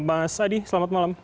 mas adi selamat malam